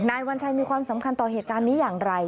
วัญชัยมีความสำคัญต่อเหตุการณ์นี้อย่างไร